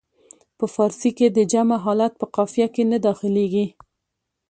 په فارسي کې د جمع حالت په قافیه کې نه داخلیږي.